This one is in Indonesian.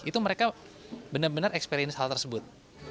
itu mereka benar benar experience hal tersebut